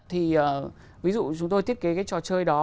thì ví dụ chúng tôi thiết kế cái trò chơi đó